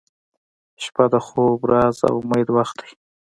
• شپه د خوب، راز، او امید وخت دی